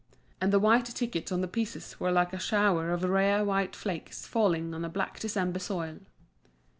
And the white tickets on the pieces were like a shower of rare white flakes falling on a black December soil.